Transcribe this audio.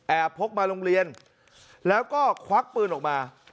พกมาโรงเรียนแล้วก็ควักปืนออกมา